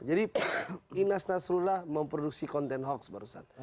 jadi inas nasrullah memproduksi konten hoax barusan